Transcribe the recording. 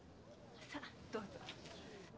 さあどうぞ。